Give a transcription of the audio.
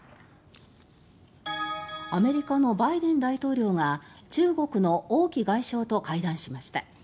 アメリカのバイデン大統領が中国の王毅外相と会談しました。